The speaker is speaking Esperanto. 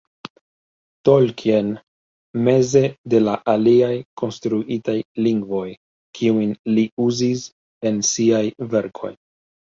Tolkien meze de la aliaj konstruitaj lingvoj, kiujn li uzis en siaj verkoj.